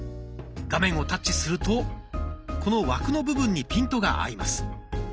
画面をタッチするとこの枠の部分にピントが合います。